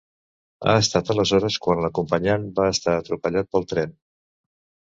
Ha estat aleshores quan l’acompanyant va estar atropellar pel tren.